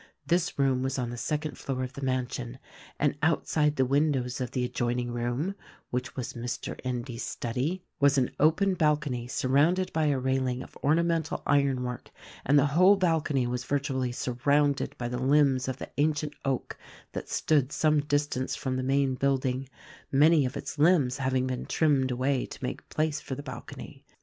This room was on the second floor of the mansion, and outside the windows of the adjoining room (which was Mr. Endy's study) was an open balcony surrounded by a railing of ornamental iron work, and the whole balcony was virtually surrounded by the limbs of the ancient oak that stood some distance from the main building — many of its limbs having been trimmed away to make place for the balcony.